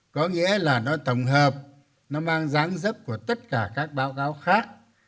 có nghĩa là nó tổng hợp nó mang dáng dấp của tất cả các báo cáo khác